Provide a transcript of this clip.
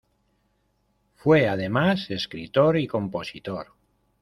Fue además escritor y compositor.